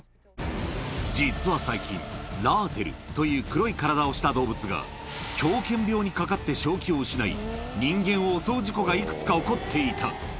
実は最近、ラーテルという黒い体をした動物が、狂犬病にかかって正気を失い、人間を襲う事故がいくつか起こっていた。